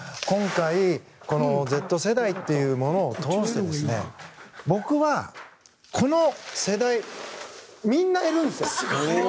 今回Ｚ世代っていうものを通して僕はこの世代、みんないるんですよ。